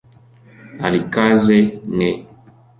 Alikaze ne.